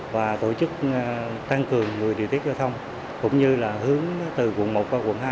và tổ chức tăng cường người điều tiết giao thông cũng như là hướng từ quận một qua quận hai